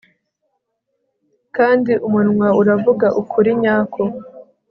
kandi umunwa uravuga ukuri nyako